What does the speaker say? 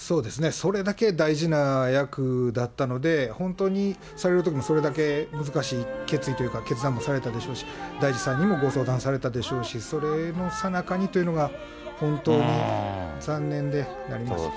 それだけ大事な役だったので、本当にされるときもそれだけ難しい決意というか、決断もされたでしょうし、大地さんにもご相談されたでしょうし、それのさなかにというのは、本当に残念でなりません。